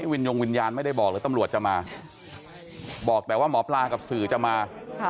วินยงวิญญาณไม่ได้บอกหรือตำรวจจะมาบอกแต่ว่าหมอปลากับสื่อจะมา